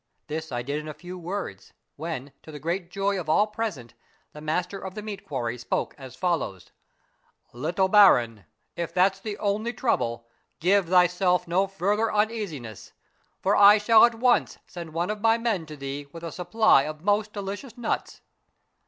This I did in a few words, when, to the great joy of all present the master of the meat quarries spoke as follows :—" Little baron, if that's the only trouble, give thyself no fur ther uneasiness, for I shall at once send one of my men to thee with a supply of most delicious nuts."